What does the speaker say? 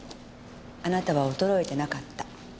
あなたは衰えてなかった。